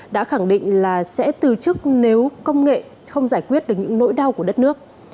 đã khẳng định là sẽ từ chức nếu công nghệ không giải quyết được những nỗi đau của đất nước